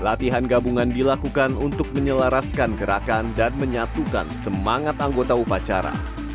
latihan gabungan dilakukan untuk menyelaraskan gerakan dan menyatukan semangat anggota upacara